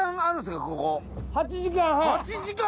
８時間半！